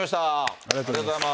ありがとうございます。